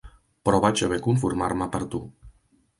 Però vaig haver conformar-me per tu.